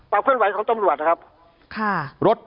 ประเภทไว้ของตำรวจนะครับ